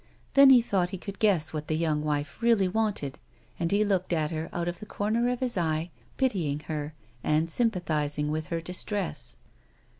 Then he thought he could guess what the young wil'o really wanted, and he looked at her out of the corner of his eye, pitying her, and sympathising with her distress.